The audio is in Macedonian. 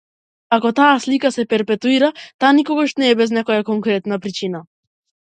Ако таа слика се перпетуира, таа никогаш не е без некоја конкретна причина.